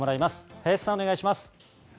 林さんお願いします。